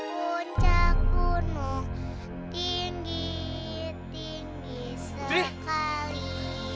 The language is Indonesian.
puncak gunung tinggi tinggi sekali